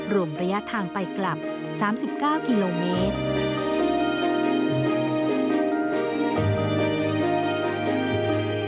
รวมระยะทางไปกลับ๓๙กิโลเมตร